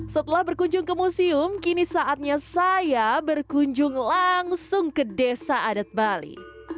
setelah berkunjung ke museum kini saatnya saya berkunjung langsung ke desa adat bali